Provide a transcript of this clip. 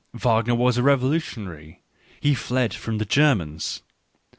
Wagner was a revolutionary — he fled from the Germans.